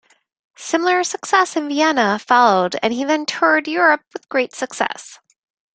Similar success in Vienna followed, and he then toured Europe with great success.